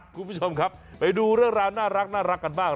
คุณผู้ชมครับไปดูเรื่องราวน่ารักกันบ้าง